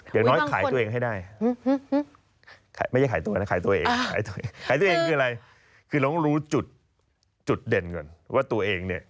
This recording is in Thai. อย่างน้อยขายตัวเองให้ได้